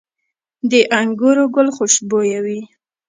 د انګورو ګل خوشبويه وي؟